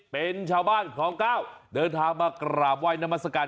เป็นชาวบ้านคลองเก้าเดินทางมากราบไห้น้ำมัศกาล